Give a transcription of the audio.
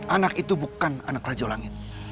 anak itu bukan anak raja langit